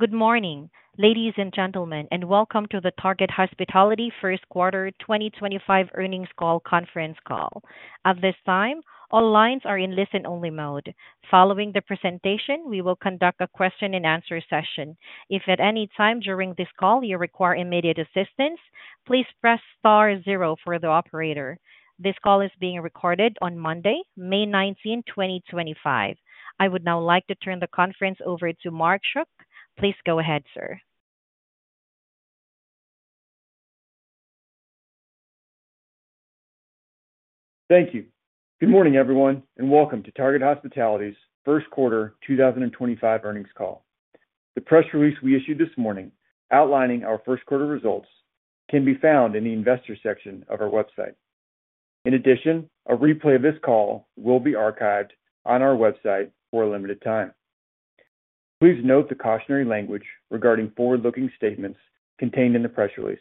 Good morning, ladies and gentlemen, and welcome to the Target Hospitality Q2 2025 earnings call conference call. At this time, all lines are in listen-only mode. Following the presentation, we will conduct a question-and-answer session. If at any time during this call you require immediate assistance, please press star zero for the operator. This call is being recorded on Monday, May 19, 2025. I would now like to turn the conference over to Mark Schuck. Please go ahead, sir. Thank you. Good morning, everyone, and welcome to Target Hospitality's Q2 2025 earnings call. The press release we issued this morning outlining our Q1 results can be found in the investor section of our website. In addition, a replay of this call will be archived on our website for a limited time. Please note the cautionary language regarding forward-looking statements contained in the press release.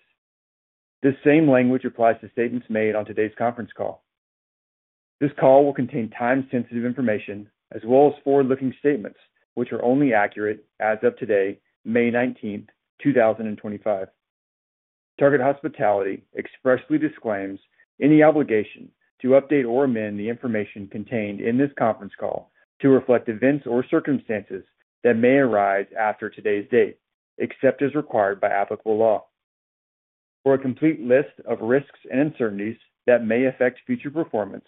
This same language applies to statements made on today's conference call. This call will contain time-sensitive information as well as forward-looking statements which are only accurate as of today, May 19, 2025. Target Hospitality expressly disclaims any obligation to update or amend the information contained in this conference call to reflect events or circumstances that may arise after today's date, except as required by applicable law. For a complete list of risks and uncertainties that may affect future performance,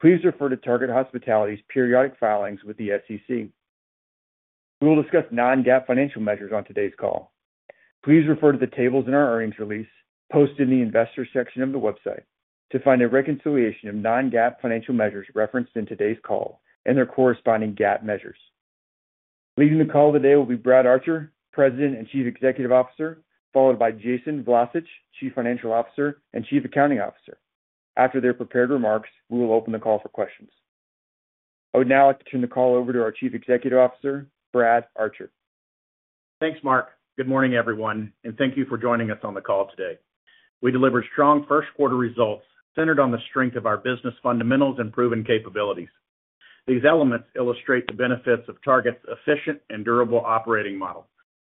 please refer to Target Hospitality's periodic filings with the SEC. We will discuss non-GAAP financial measures on today's call. Please refer to the tables in our earnings release posted in the investor section of the website to find a reconciliation of non-GAAP financial measures referenced in today's call and their corresponding GAAP measures. Leading the call today will be Brad Archer, President and Chief Executive Officer, followed by Jason Vlacich, Chief Financial Officer and Chief Accounting Officer. After their prepared remarks, we will open the call for questions. I would now like to turn the call over to our Chief Executive Officer, Brad Archer. Thanks, Mark. Good morning, everyone, and thank you for joining us on the call today. We deliver strong Q1 results centered on the strength of our business fundamentals and proven capabilities. These elements illustrate the benefits of Target Hospitality's efficient and durable operating model,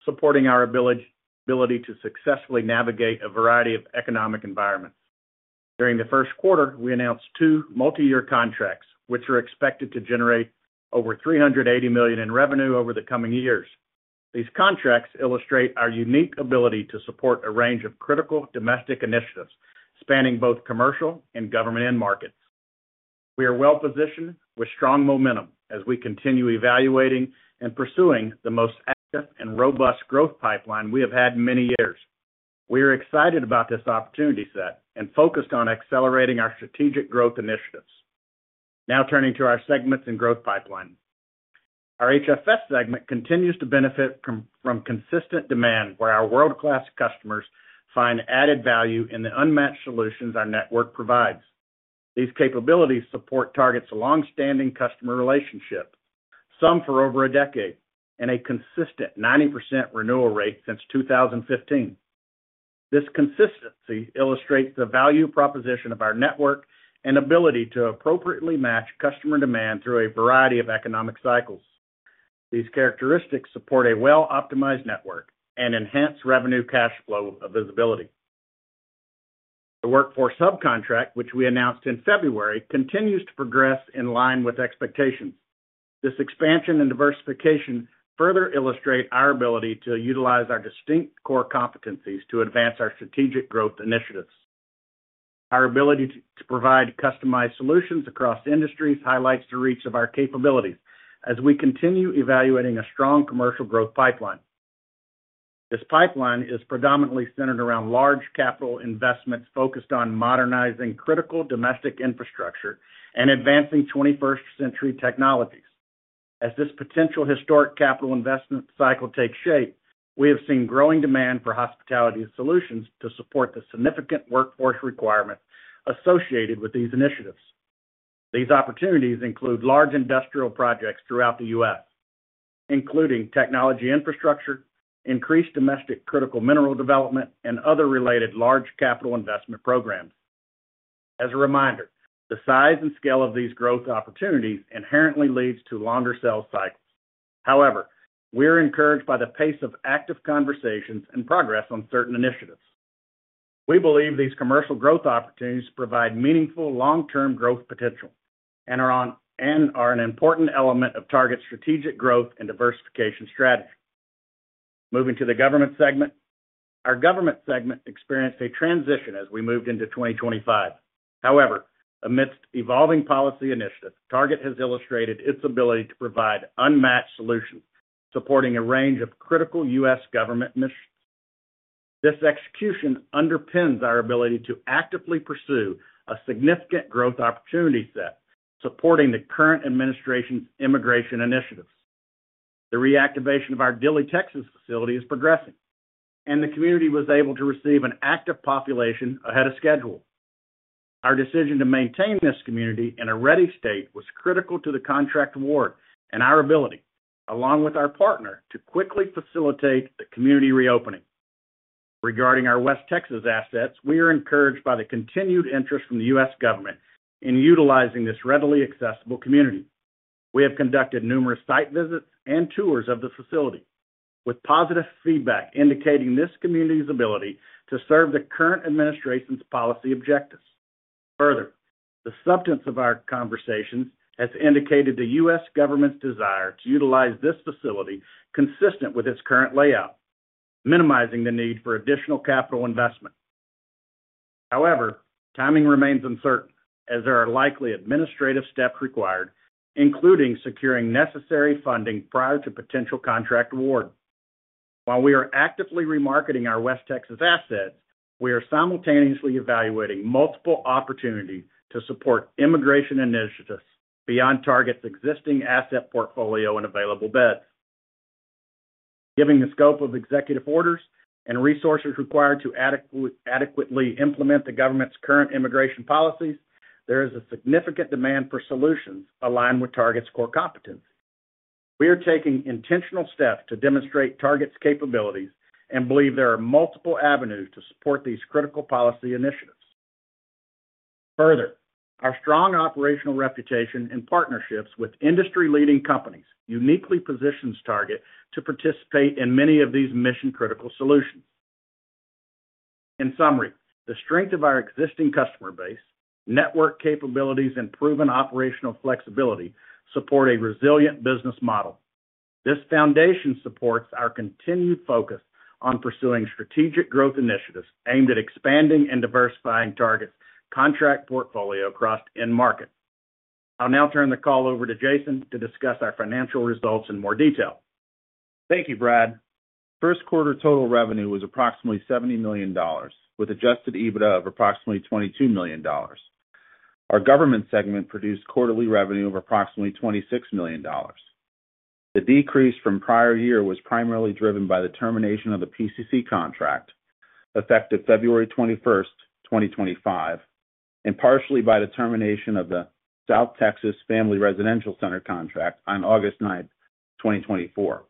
supporting our ability to successfully navigate a variety of economic environments. During the first quarter, we announced two multi-year contracts which are expected to generate over $380 million in revenue over the coming years. These contracts illustrate our unique ability to support a range of critical domestic initiatives spanning both commercial and government markets. We are well-positioned with strong momentum as we continue evaluating and pursuing the most active and robust growth pipeline we have had in many years. We are excited about this opportunity set and focused on accelerating our strategic growth initiatives. Now turning to our segments and growth pipeline. Our HFS segment continues to benefit from consistent demand where our world-class customers find added value in the unmatched solutions our network provides. These capabilities support Target's long-standing customer relationship, some for over a decade, and a consistent 90% renewal rate since 2015. This consistency illustrates the value proposition of our network and ability to appropriately match customer demand through a variety of economic cycles. These characteristics support a well-optimized network and enhance revenue cash flow visibility. The workforce subcontract, which we announced in February, continues to progress in line with expectations. This expansion and diversification further illustrate our ability to utilize our distinct core competencies to advance our strategic growth initiatives. Our ability to provide customized solutions across industries highlights the reach of our capabilities as we continue evaluating a strong commercial growth pipeline. This pipeline is predominantly centered around large capital investments focused on modernizing critical domestic infrastructure and advancing 21st-century technologies. As this potential historic capital investment cycle takes shape, we have seen growing demand for hospitality solutions to support the significant workforce requirements associated with these initiatives. These opportunities include large industrial projects throughout the U.S., including technology infrastructure, increased domestic critical mineral development, and other related large capital investment programs. As a reminder, the size and scale of these growth opportunities inherently leads to longer sales cycles. However, we are encouraged by the pace of active conversations and progress on certain initiatives. We believe these commercial growth opportunities provide meaningful long-term growth potential and are an important element of Target Hospitality's strategic growth and diversification strategy. Moving to the government segment, our government segment experienced a transition as we moved into 2025. However, amidst evolving policy initiatives, Target Hospitality has illustrated its ability to provide unmatched solutions supporting a range of critical U.S. government missions. This execution underpins our ability to actively pursue a significant growth opportunity set supporting the current administration's immigration initiatives. The reactivation of our Dilley, Texas facility is progressing, and the community was able to receive an active population ahead of schedule. Our decision to maintain this community in a ready state was critical to the contract award and our ability, along with our partner, to quickly facilitate the community reopening. Regarding our West Texas assets, we are encouraged by the continued interest from the U.S. government in utilizing this readily accessible community. We have conducted numerous site visits and tours of the facility, with positive feedback indicating this community's ability to serve the current administration's policy objectives. Further, the substance of our conversations has indicated the U.S. government's desire to utilize this facility is consistent with its current layout, minimizing the need for additional capital investment. However, timing remains uncertain as there are likely administrative steps required, including securing necessary funding prior to potential contract award. While we are actively remarketing our West Texas assets, we are simultaneously evaluating multiple opportunities to support immigration initiatives beyond Target's existing asset portfolio and available beds. Given the scope of executive orders and resources required to adequately implement the government's current immigration policies, there is a significant demand for solutions aligned with Target's core competencies. We are taking intentional steps to demonstrate Target's capabilities and believe there are multiple avenues to support these critical policy initiatives. Further, our strong operational reputation and partnerships with industry-leading companies uniquely position Target to participate in many of these mission-critical solutions. In summary, the strength of our existing customer base, network capabilities, and proven operational flexibility support a resilient business model. This foundation supports our continued focus on pursuing strategic growth initiatives aimed at expanding and diversifying Target Hospitality's contract portfolio across end markets. I'll now turn the call over to Jason to discuss our financial results in more detail. Thank you, Brad. First quarter total revenue was approximately $70 million, with adjusted EBITDA of approximately $22 million. Our government segment produced quarterly revenue of approximately $26 million. The decrease from prior year was primarily driven by the termination of the PCC contract effective February 21, 2025, and partially by the termination of the South Texas Family Residential Center contract on August 9, 2024.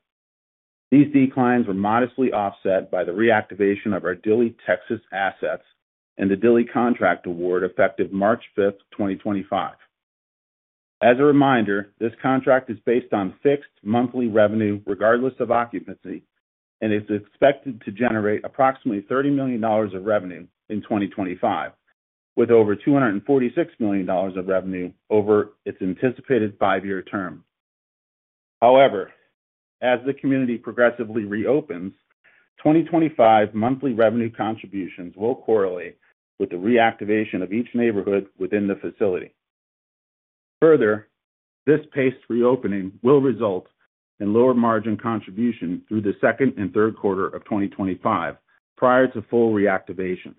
These declines were modestly offset by the reactivation of our Dilley, Texas assets and the Dilley contract award effective March 5, 2025. As a reminder, this contract is based on fixed monthly revenue regardless of occupancy and is expected to generate approximately $30 million of revenue in 2025, with over $246 million of revenue over its anticipated five-year term. However, as the community progressively reopens, 2025 monthly revenue contributions will correlate with the reactivation of each neighborhood within the facility. Further, this paced reopening will result in lower margin contribution through the second and third quarter of 2025 prior to full reactivation.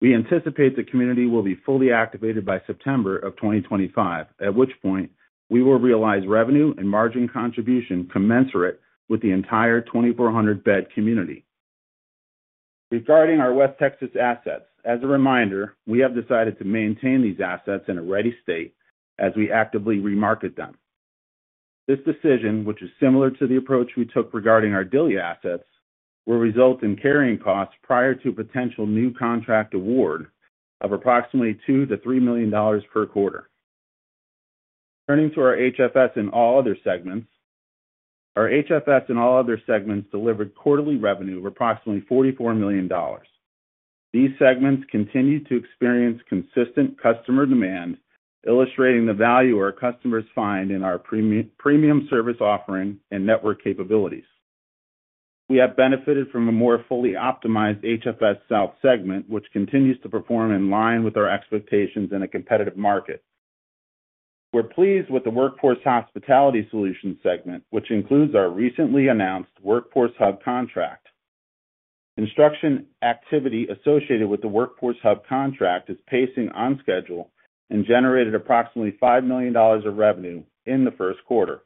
We anticipate the community will be fully activated by September of 2025, at which point we will realize revenue and margin contribution commensurate with the entire 2,400-bed community. Regarding our West Texas assets, as a reminder, we have decided to maintain these assets in a ready state as we actively remarket them. This decision, which is similar to the approach we took regarding our Dilley assets, will result in carrying costs prior to potential new contract award of approximately $2-$3 million per quarter. Turning to our HFS and all other segments, our HFS and all other segments delivered quarterly revenue of approximately $44 million. These segments continue to experience consistent customer demand, illustrating the value our customers find in our premium service offering and network capabilities. We have benefited from a more fully optimized HFS South segment, which continues to perform in line with our expectations in a competitive market. We're pleased with the workforce hospitality solution segment, which includes our recently announced Workforce Hub contract. Construction activity associated with the Workforce Hub contract is pacing on schedule and generated approximately $5 million of revenue in the first quarter.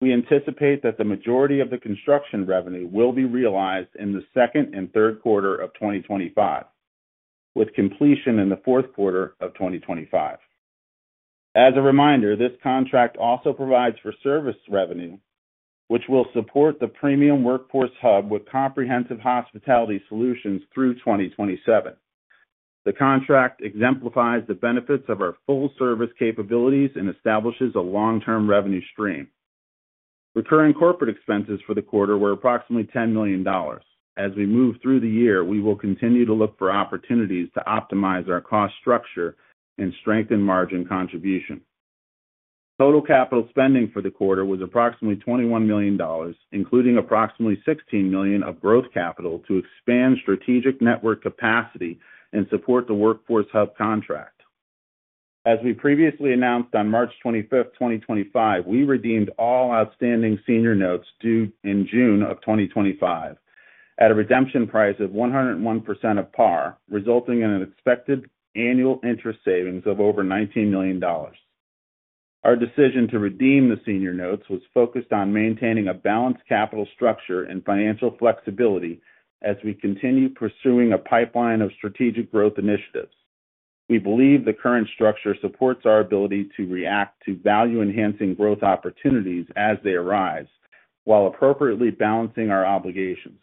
We anticipate that the majority of the construction revenue will be realized in the second and third quarter of 2025, with completion in the fourth quarter of 2025. As a reminder, this contract also provides for service revenue, which will support the premium Workforce Hub with comprehensive hospitality solutions through 2027. The contract exemplifies the benefits of our full-service capabilities and establishes a long-term revenue stream. Recurring corporate expenses for the quarter were approximately $10 million. As we move through the year, we will continue to look for opportunities to optimize our cost structure and strengthen margin contribution. Total capital spending for the quarter was approximately $21 million, including approximately $16 million of growth capital to expand strategic network capacity and support the Workforce Hub contract. As we previously announced on March 25, 2024, we redeemed all outstanding senior notes due in June of 2025 at a redemption price of 101% of par, resulting in an expected annual interest savings of over $19 million. Our decision to redeem the senior notes was focused on maintaining a balanced capital structure and financial flexibility as we continue pursuing a pipeline of strategic growth initiatives. We believe the current structure supports our ability to react to value-enhancing growth opportunities as they arise while appropriately balancing our obligations.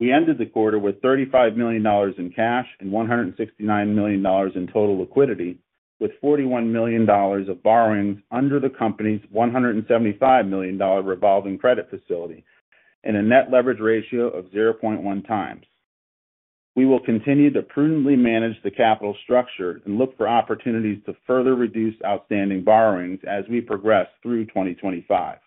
We ended the quarter with $35 million in cash and $169 million in total liquidity, with $41 million of borrowings under the company's $175 million revolving credit facility and a net leverage ratio of 0.1 times. We will continue to prudently manage the capital structure and look for opportunities to further reduce outstanding borrowings as we progress through 2025.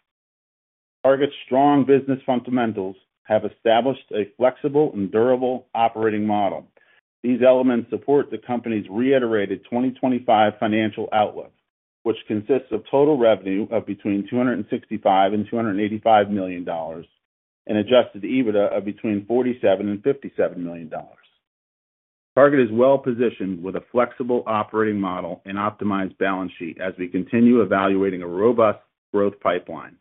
Target's strong business fundamentals have established a flexible and durable operating model. These elements support the company's reiterated 2025 financial outlook, which consists of total revenue of between $265-$285 million and adjusted EBITDA of between $47-$57 million. Target is well-positioned with a flexible operating model and optimized balance sheet as we continue evaluating a robust growth pipeline,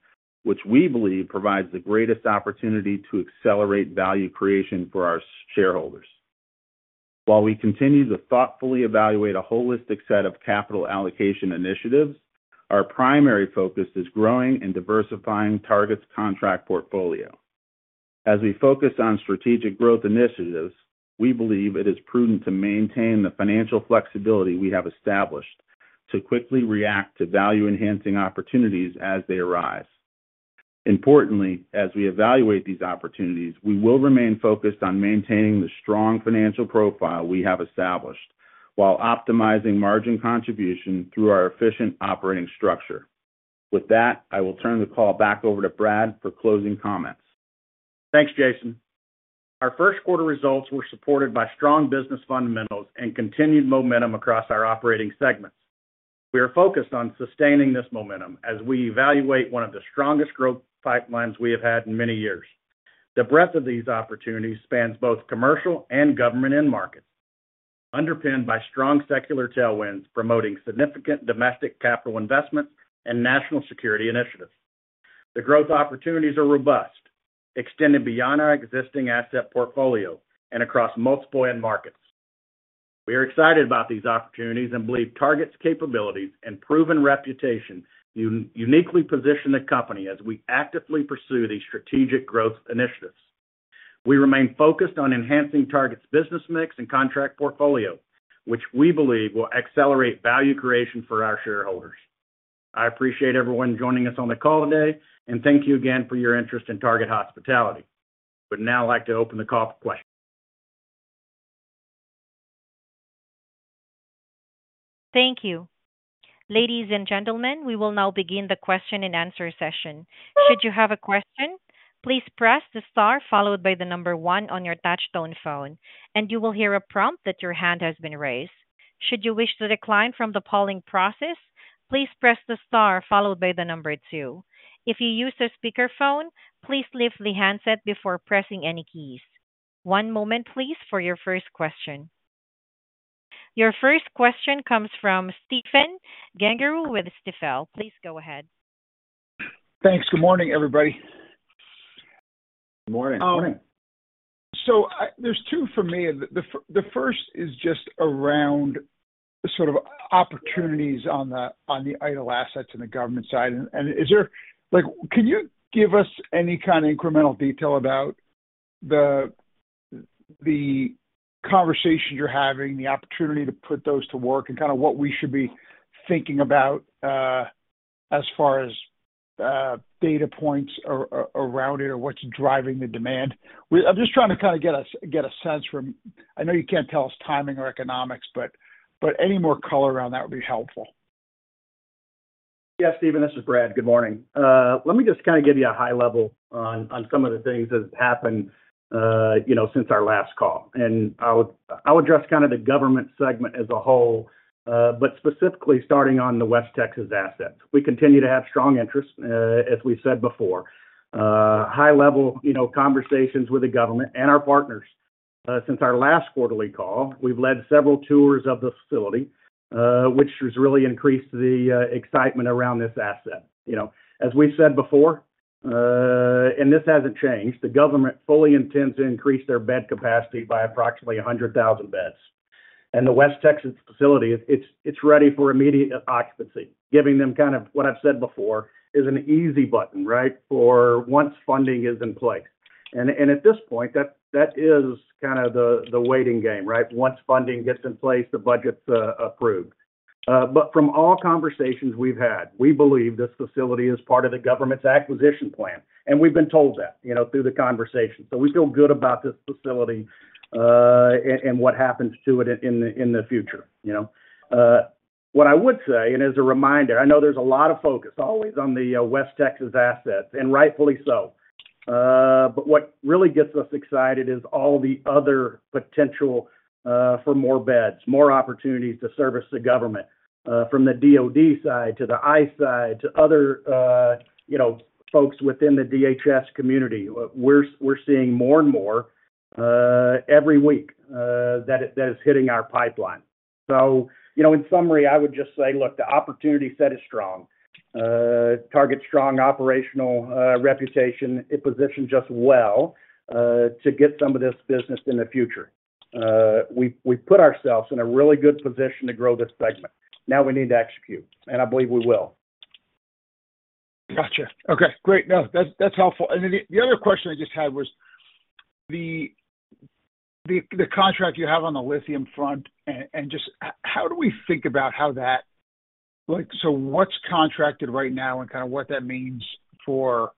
which we believe provides the greatest opportunity to accelerate value creation for our shareholders. While we continue to thoughtfully evaluate a holistic set of capital allocation initiatives, our primary focus is growing and diversifying Target's contract portfolio. As we focus on strategic growth initiatives, we believe it is prudent to maintain the financial flexibility we have established to quickly react to value-enhancing opportunities as they arise. Importantly, as we evaluate these opportunities, we will remain focused on maintaining the strong financial profile we have established while optimizing margin contribution through our efficient operating structure. With that, I will turn the call back over to Brad for closing comments. Thanks, Jason. Our first quarter results were supported by strong business fundamentals and continued momentum across our operating segments. We are focused on sustaining this momentum as we evaluate one of the strongest growth pipelines we have had in many years. The breadth of these opportunities spans both commercial and government end markets, underpinned by strong secular tailwinds promoting significant domestic capital investments and national security initiatives. The growth opportunities are robust, extended beyond our existing asset portfolio and across multiple end markets. We are excited about these opportunities and believe Target's capabilities and proven reputation uniquely position the company as we actively pursue these strategic growth initiatives. We remain focused on enhancing Target's business mix and contract portfolio, which we believe will accelerate value creation for our shareholders. I appreciate everyone joining us on the call today, and thank you again for your interest in Target Hospitality. We'd now like to open the call for questions. Thank you. Ladies and gentlemen, we will now begin the question and answer session. Should you have a question, please press the star followed by the number one on your touch-tone phone, and you will hear a prompt that your hand has been raised. Should you wish to decline from the polling process, please press the star followed by the number two. If you use a speakerphone, please lift the handset before pressing any keys. One moment, please, for your first question. Your first question comes from Steven Ganaru with Stifel. Please go ahead. Thanks. Good morning, everybody. Good morning. Morning. There are two for me. The first is just around sort of opportunities on the idle assets and the government side. Can you give us any kind of incremental detail about the conversation you're having, the opportunity to put those to work, and kind of what we should be thinking about as far as data points around it or what's driving the demand? I'm just trying to kind of get a sense from—I know you can't tell us timing or economics, but any more color around that would be helpful. Yes, Steven, this is Brad. Good morning. Let me just kind of give you a high level on some of the things that have happened since our last call. I'll address kind of the government segment as a whole, but specifically starting on the West Texas assets. We continue to have strong interest, as we said before, high-level conversations with the government and our partners. Since our last quarterly call, we've led several tours of the facility, which has really increased the excitement around this asset. As we said before, and this hasn't changed, the government fully intends to increase their bed capacity by approximately 100,000 beds. The West Texas facility, it's ready for immediate occupancy, giving them kind of what I've said before is an easy button, right, for once funding is in place. At this point, that is kind of the waiting game, right? Once funding gets in place, the budget's approved. From all conversations we've had, we believe this facility is part of the government's acquisition plan. We've been told that through the conversation. We feel good about this facility and what happens to it in the future. What I would say, and as a reminder, I know there's a lot of focus always on the West Texas assets, and rightfully so. What really gets us excited is all the other potential for more beds, more opportunities to service the government from the DOD side to the ICE side to other folks within the DHS community. We're seeing more and more every week that is hitting our pipeline. In summary, I would just say, look, the opportunity set is strong. Target's strong operational reputation positions us well to get some of this business in the future. We've put ourselves in a really good position to grow this segment. Now we need to execute. I believe we will. Gotcha. Okay. Great. No, that's helpful. The other question I just had was the contract you have on the lithium front, and just how do we think about how that—so what's contracted right now and kind of what that means for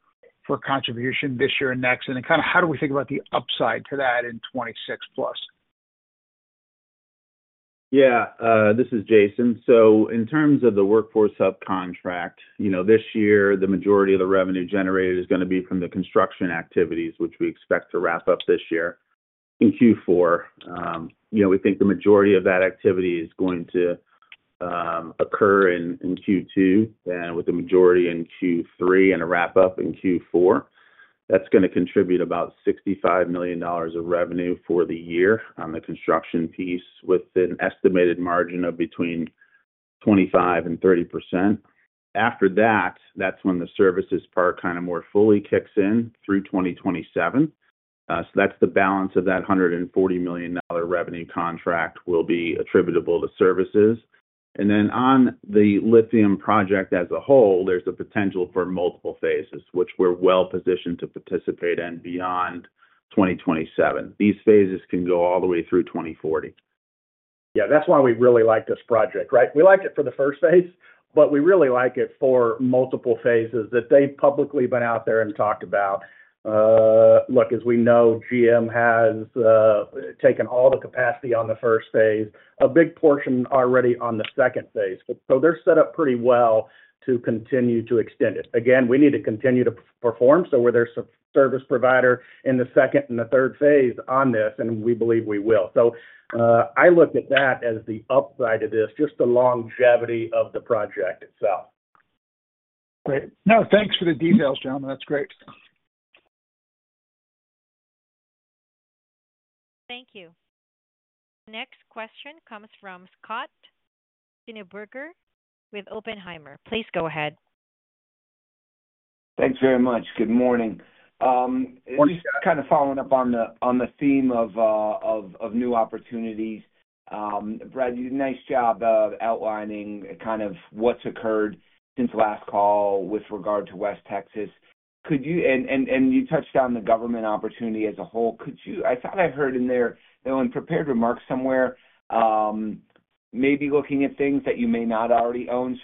contribution this year and next? Then kind of how do we think about the upside to that in 2026 plus? Yeah. This is Jason. So in terms of the Workforce Hub contract, this year, the majority of the revenue generated is going to be from the construction activities, which we expect to wrap up this year in Q4. We think the majority of that activity is going to occur in Q2, with the majority in Q3 and a wrap-up in Q4. That's going to contribute about $65 million of revenue for the year on the construction piece with an estimated margin of between 25-30%. After that, that's when the services part kind of more fully kicks in through 2027. So that's the balance of that $140 million revenue contract will be attributable to services. And then on the lithium project as a whole, there's a potential for multiple phases, which we're well-positioned to participate in beyond 2027. These phases can go all the way through 2040. Yeah, that's why we really like this project, right? We liked it for the first phase, but we really like it for multiple phases that they've publicly been out there and talked about. Look, as we know, GM has taken all the capacity on the first phase, a big portion already on the second phase. They are set up pretty well to continue to extend it. Again, we need to continue to perform so we are the service provider in the second and the third phase on this, and we believe we will. I look at that as the upside of this, just the longevity of the project itself. Great. No, thanks for the details, gentlemen. That's great. Thank you. Next question comes from Scott Schrenburger with Oppenheimer. Please go ahead. Thanks very much. Good morning. Morning. Kind of following up on the theme of new opportunities. Brad, you did a nice job outlining kind of what's occurred since last call with regard to West Texas. You touched on the government opportunity as a whole. I thought I heard in there, there were unprepared remarks somewhere, maybe looking at things that you may not already own.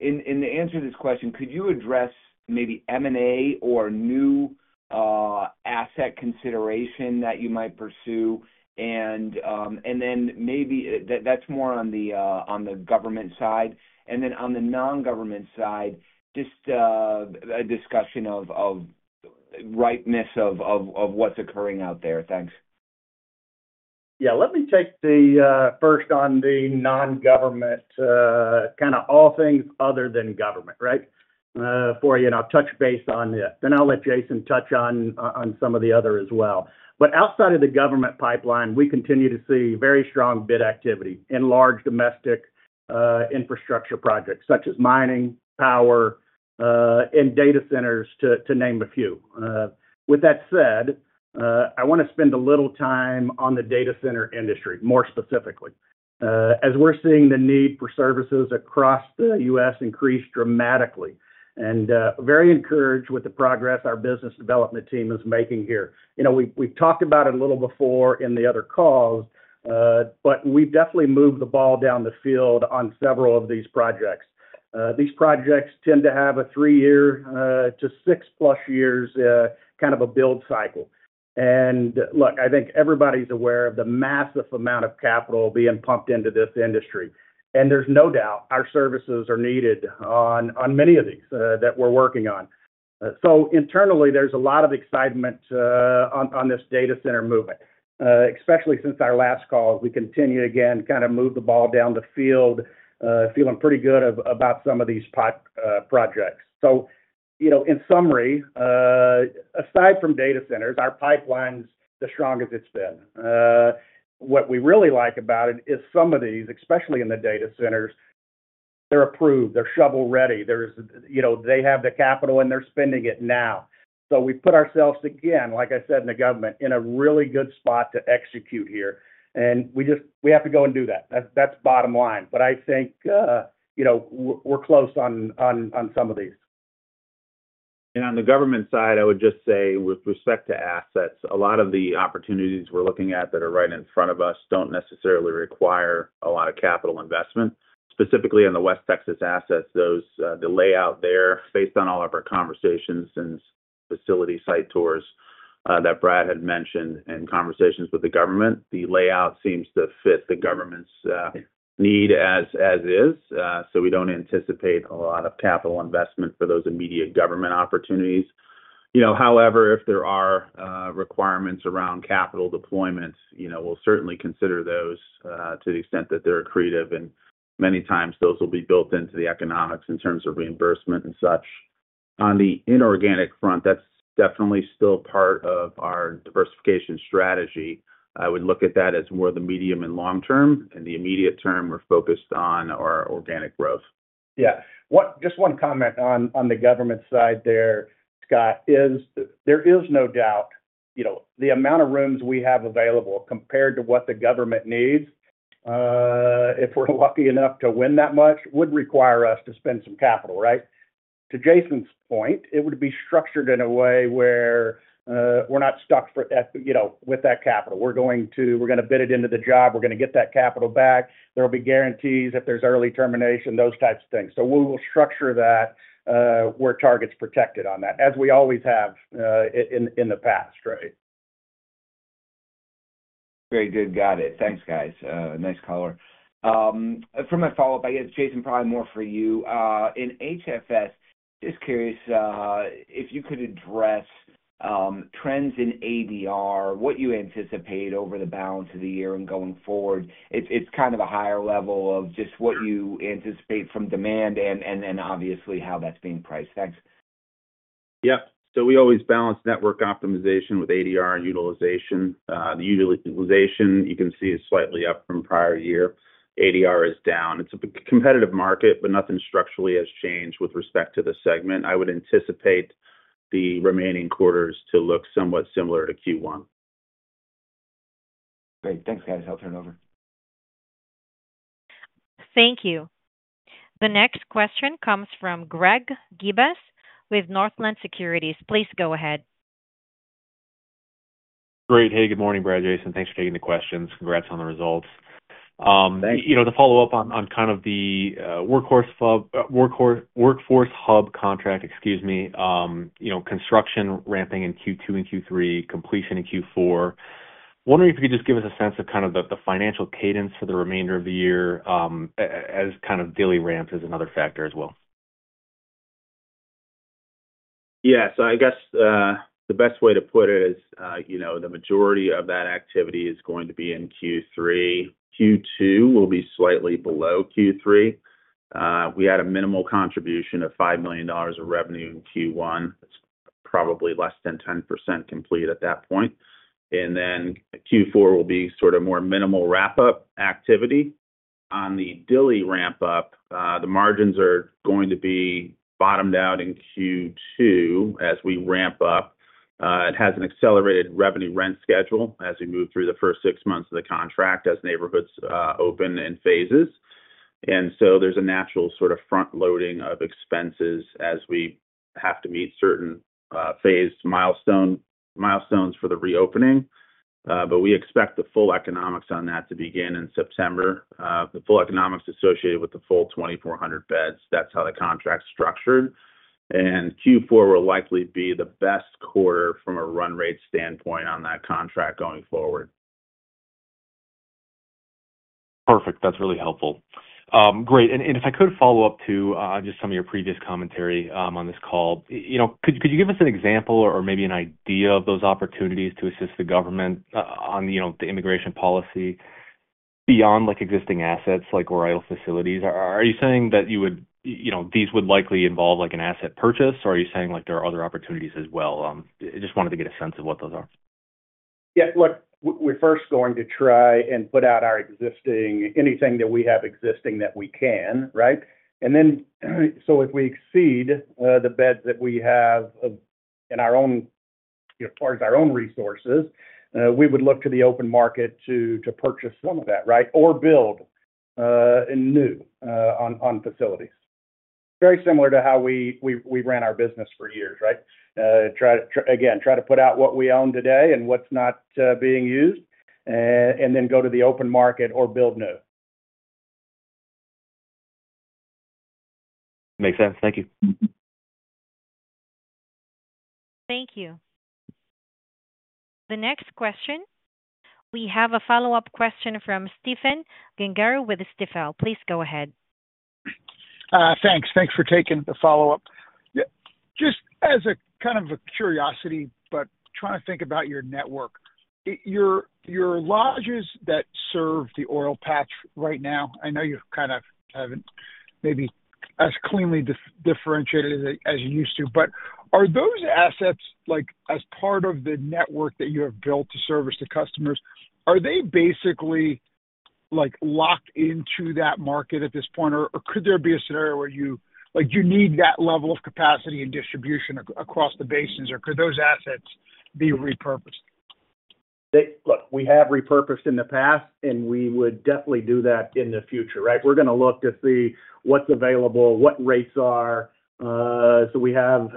In the answer to this question, could you address maybe M&A or new asset consideration that you might pursue? Maybe that's more on the government side. On the non-government side, just a discussion of the ripeness of what's occurring out there. Thanks. Yeah. Let me take the first on the non-government, kind of all things other than government, right, for you. I'll touch base on that. I'll let Jason touch on some of the other as well. Outside of the government pipeline, we continue to see very strong bid activity in large domestic infrastructure projects such as mining, power, and data centers, to name a few. With that said, I want to spend a little time on the data center industry, more specifically, as we're seeing the need for services across the U.S. increase dramatically. I'm very encouraged with the progress our business development team is making here. We've talked about it a little before in the other calls, but we've definitely moved the ball down the field on several of these projects. These projects tend to have a three-year to six-plus years kind of a build cycle. Look, I think everybody's aware of the massive amount of capital being pumped into this industry. There's no doubt our services are needed on many of these that we're working on. Internally, there's a lot of excitement on this data center movement, especially since our last call. We continue, again, kind of moved the ball down the field, feeling pretty good about some of these projects. In summary, aside from data centers, our pipeline's the strongest it's been. What we really like about it is some of these, especially in the data centers, they're approved. They're shovel-ready. They have the capital, and they're spending it now. We put ourselves, again, like I said, in the government, in a really good spot to execute here. We have to go and do that. That's bottom line. I think we're close on some of these. On the government side, I would just say, with respect to assets, a lot of the opportunities we're looking at that are right in front of us don't necessarily require a lot of capital investment. Specifically on the West Texas assets, the layout there, based on all of our conversations and facility site tours that Brad had mentioned and conversations with the government, the layout seems to fit the government's need as is. We don't anticipate a lot of capital investment for those immediate government opportunities. However, if there are requirements around capital deployment, we'll certainly consider those to the extent that they're accretive. Many times, those will be built into the economics in terms of reimbursement and such. On the inorganic front, that's definitely still part of our diversification strategy. I would look at that as more the medium and long term. In the immediate term, we're focused on our organic growth. Yeah. Just one comment on the government side there, Scott, is there is no doubt the amount of rooms we have available compared to what the government needs, if we're lucky enough to win that much, would require us to spend some capital, right? To Jason's point, it would be structured in a way where we're not stuck with that capital. We're going to bid it into the job. We're going to get that capital back. There will be guarantees if there's early termination, those types of things. We will structure that where Target's protected on that, as we always have in the past, right? Very good. Got it. Thanks, guys. Nice color. For my follow-up, I guess, Jason, probably more for you. In HFS, just curious if you could address trends in ADR, what you anticipate over the balance of the year and going forward. It's kind of a higher level of just what you anticipate from demand and then obviously how that's being priced. Thanks. Yeah. So we always balance network optimization with ADR and utilization. The utilization, you can see, is slightly up from prior year. ADR is down. It's a competitive market, but nothing structurally has changed with respect to the segment. I would anticipate the remaining quarters to look somewhat similar to Q1. Great. Thanks, guys. I'll turn it over. Thank you. The next question comes from Greg Guibas with Northland Securities. Please go ahead. Great. Hey, good morning, Brad, Jason. Thanks for taking the questions. Congrats on the results. Thanks. To follow up on kind of the Workforce Hub contract, excuse me, construction ramping in Q2 and Q3, completion in Q4. Wondering if you could just give us a sense of kind of the financial cadence for the remainder of the year as kind of daily ramps is another factor as well. Yeah. I guess the best way to put it is the majority of that activity is going to be in Q3. Q2 will be slightly below Q3. We had a minimal contribution of $5 million of revenue in Q1. It's probably less than 10% complete at that point. Q4 will be sort of more minimal wrap-up activity. On the daily ramp-up, the margins are going to be bottomed out in Q2 as we ramp up. It has an accelerated revenue rent schedule as we move through the first six months of the contract as neighborhoods open in phases. There is a natural sort of front-loading of expenses as we have to meet certain phased milestones for the reopening. We expect the full economics on that to begin in September, the full economics associated with the full 2,400 beds. That's how the contract's structured. Q4 will likely be the best quarter from a run rate standpoint on that contract going forward. Perfect. That's really helpful. Great. If I could follow up to just some of your previous commentary on this call, could you give us an example or maybe an idea of those opportunities to assist the government on the immigration policy beyond existing assets like Oriole facilities? Are you saying that these would likely involve an asset purchase, or are you saying there are other opportunities as well? I just wanted to get a sense of what those are. Yeah. Look, we're first going to try and put out anything that we have existing that we can, right? If we exceed the beds that we have as far as our own resources, we would look to the open market to purchase some of that, right, or build new on facilities. Very similar to how we ran our business for years, right? Again, try to put out what we own today and what's not being used, and then go to the open market or build new. Makes sense. Thank you. Thank you. The next question. We have a follow-up question from Stephen Gengaro with Stifel. Please go ahead. Thanks. Thanks for taking the follow-up. Just as a kind of a curiosity, but trying to think about your network, your lodges that serve the oil patch right now, I know you kind of haven't maybe as cleanly differentiated as you used to, but are those assets as part of the network that you have built to service the customers, are they basically locked into that market at this point, or could there be a scenario where you need that level of capacity and distribution across the basins, or could those assets be repurposed? Look, we have repurposed in the past, and we would definitely do that in the future, right? We're going to look to see what's available, what rates are. We have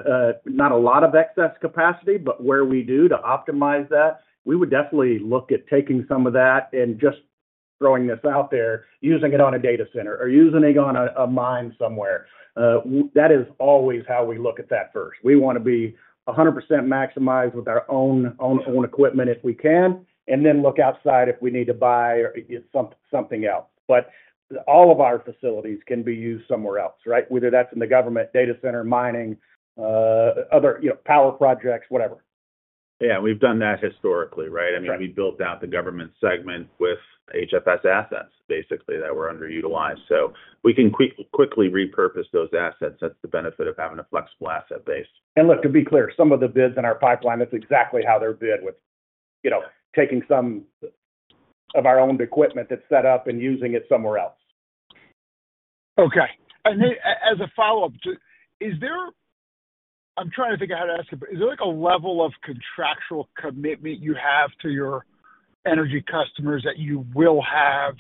not a lot of excess capacity, but where we do to optimize that, we would definitely look at taking some of that and just throwing this out there, using it on a data center or using it on a mine somewhere. That is always how we look at that first. We want to be 100% maximized with our own equipment if we can, and then look outside if we need to buy something else. All of our facilities can be used somewhere else, right? Whether that's in the government data center, mining, other power projects, whatever. Yeah. We've done that historically, right? I mean, we built out the government segment with HFS assets, basically, that were underutilized. We can quickly repurpose those assets. That's the benefit of having a flexible asset base. To be clear, some of the bids in our pipeline, that's exactly how they're bid with taking some of our owned equipment that's set up and using it somewhere else. Okay. As a follow-up, I'm trying to figure out how to ask you, but is there a level of contractual commitment you have to your energy customers that you will have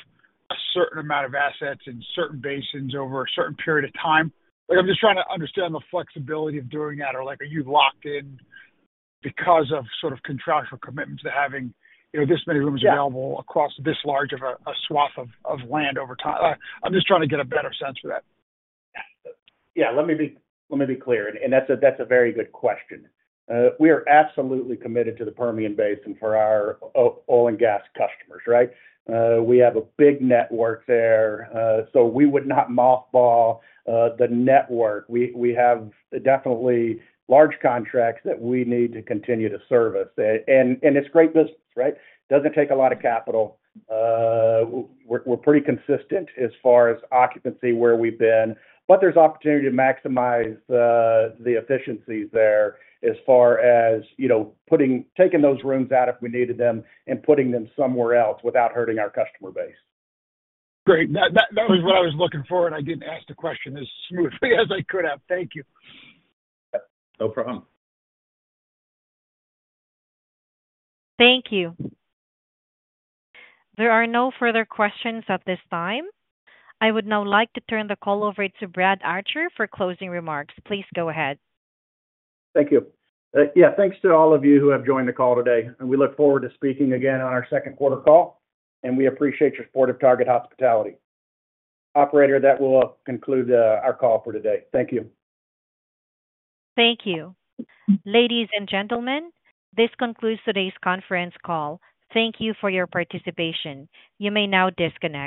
a certain amount of assets in certain basins over a certain period of time? I'm just trying to understand the flexibility of doing that, or are you locked in because of sort of contractual commitments to having this many rooms available across this large of a swath of land over time? I'm just trying to get a better sense for that. Yeah. Let me be clear. That's a very good question. We are absolutely committed to the Permian Basin for our oil and gas customers, right? We have a big network there. We would not mothball the network. We have definitely large contracts that we need to continue to service. It's great business, right? Doesn't take a lot of capital. We're pretty consistent as far as occupancy where we've been. There's opportunity to maximize the efficiencies there as far as taking those rooms out if we needed them and putting them somewhere else without hurting our customer base. Great. That was what I was looking for, and I didn't ask the question as smoothly as I could have. Thank you. No problem. Thank you. There are no further questions at this time. I would now like to turn the call over to Brad Archer for closing remarks. Please go ahead. Thank you. Yeah. Thanks to all of you who have joined the call today. We look forward to speaking again on our second quarter call. We appreciate your support of Target Hospitality. Operator, that will conclude our call for today. Thank you. Thank you. Ladies and gentlemen, this concludes today's conference call. Thank you for your participation. You may now disconnect.